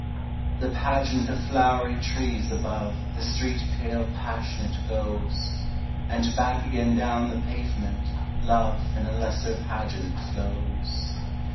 ...... The pageant of flowery trees above The street pale passionate goes, And back again down the pavement, Love In a lesser pageant flows.